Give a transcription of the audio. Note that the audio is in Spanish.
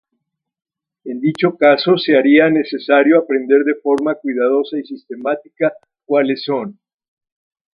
En dicho caso se haría necesario aprender de forma cuidadosa y sistemática cuáles son.